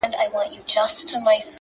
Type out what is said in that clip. له دېوالونو یې رڼا پر ټوله ښار خپره ده’